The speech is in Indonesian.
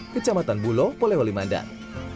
kecamatan bulo polewoli mandan